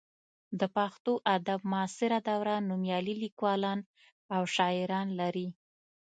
د پښتو ادب معاصره دوره نومیالي لیکوالان او شاعران لري.